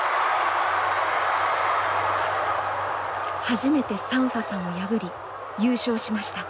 初めてサンファさんを破り優勝しました。